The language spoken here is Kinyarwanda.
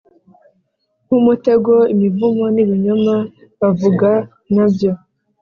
Nk umutego imivumo n ibinyoma bavuga na byo